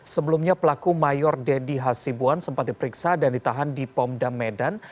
sebelumnya pelaku mayor deddy hasibuan sempat diperiksa dan ditahan di ponda medan